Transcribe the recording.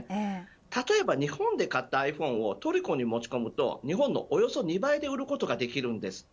例えば、日本で買ったｉＰｈｏｎｅをトルコに持ち込むと、日本のおよそ２倍で売ることができるんです。